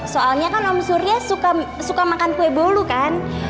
soalnya kan om surya suka makan kue bolu kan